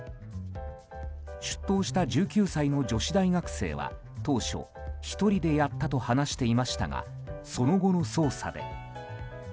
出頭した１９歳の女子大学生は当初１人でやったと話していましたがその後の捜査で。